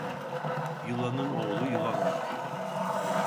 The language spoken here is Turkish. Yılanın oğlu yılan olur.